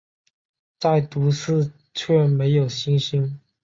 在都市却没有星星